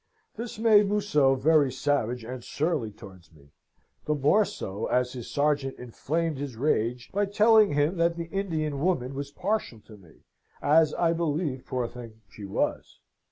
This made Museau very savage and surly towards me; the more so as his sergeant inflamed his rage by telling him that the Indian woman was partial to me as I believe, poor thing, she was.